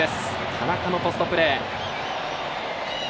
田中のポストプレー。